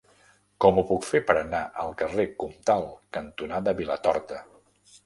Com ho puc fer per anar al carrer Comtal cantonada Vilatorta?